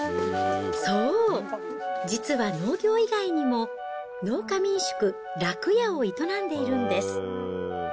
そう、実は農業以外にも、農家民宿楽屋を営んでいるんです。